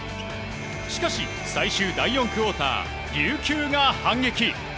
しかし最終第４クオーター琉球が反撃。